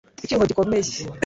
Icyuho gikomeye